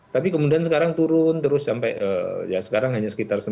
tapi kemudian sekarang turun terus sampai ya sekarang hanya sekitar satu